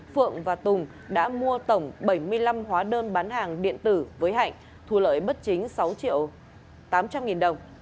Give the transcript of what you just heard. phượng và tùng đã mua tổng bảy mươi năm hóa đơn bán hàng điện tử với hạnh thu lợi bất chính sáu triệu tám trăm linh nghìn đồng